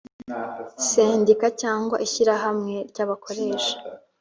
Sendika cyangwa ishyirahamwe ry abakoresha